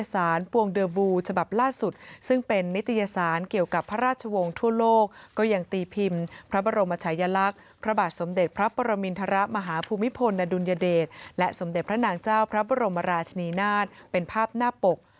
สมเด็จพระประมินทรมาฮภูมิพลณดุลยเดชและสมเด็จพระนางเจ้าพระบรมราชนีนาฏเป็นภาพหน้าปก